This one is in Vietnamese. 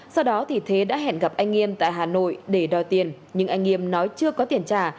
sau đó thì thế đã hẹn gặp anh yên tại hà nội để đòi tiền nhưng anh nghiêm nói chưa có tiền trả